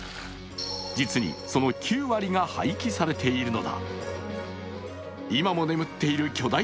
実にその９割が廃棄されているのだ。